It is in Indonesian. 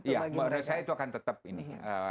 ya menurut saya itu akan tetap ini